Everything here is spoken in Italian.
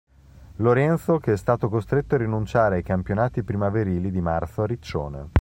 Lorenzo che è stato costretto a rinunciare ai campionati primaverili di marzo a Riccione.